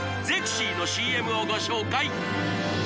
ゼクシィのＣＭをご紹介